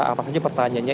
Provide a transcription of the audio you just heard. apa saja pertanyaannya